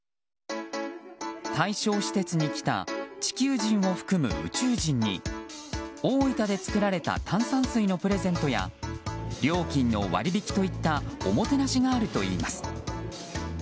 対象施設に来た地球人を含む宇宙人に大分で作られた炭酸水のプレゼントや料金の割引といったおもてなしがあるといいます。